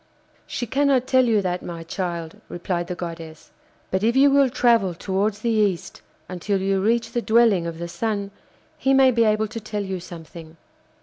'She cannot tell you that, my child,' replied the goddess, 'but, if you will travel towards the East until you reach the dwelling of the Sun, he may be able to tell you something.